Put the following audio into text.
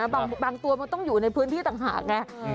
บางตัวมันต้องอยู่ในพื้นที่ต่างหากไง